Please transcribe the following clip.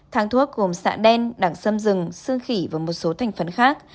thang thuốc gồm xạ đen đẳng xâm rừng xương khỉ và một số thành phần khác